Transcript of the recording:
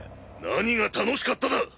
何が「楽しかった」だ！